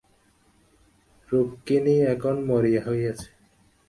রুক্মিণী এখন মরিয়া হইয়াছে।